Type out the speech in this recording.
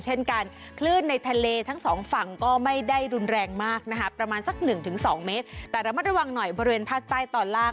เป็นการขึ้นในทะเลทั้ง๒ฝั่งก็ไม่ได้รุนแรงมากนะครับประมาณสัก๑๒เมกล์แต่ระมาวะระวังหน่อยบริเวณภาคใต้ตอนล่าง